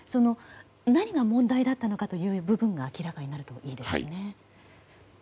何が問題だったのかという部分が明らかになるといいですね。